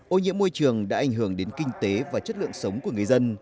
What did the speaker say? ô nhiễm môi trường đã ảnh hưởng đến kinh tế và chất lượng sống của người dân